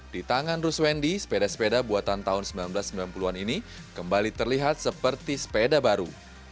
di tangan ruswendi sepeda sepeda buatan tahun seribu sembilan ratus sembilan puluh an ini kembali terlihat seperti sepeda baru